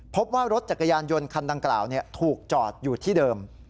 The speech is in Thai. พบว่ารถจักรยานยนต์คันดังกล่าวถูกจอดอยู่ที่เดิม